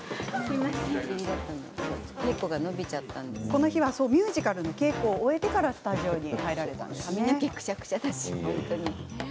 この日はミュージカルの稽古を終えてスタジオに入りました。